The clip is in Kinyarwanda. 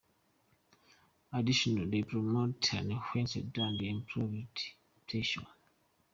Additionally they promote enhanced and improved pleasure,.